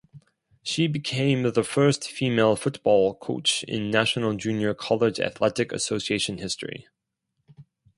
She became the first female football coach in National Junior College Athletic Association history.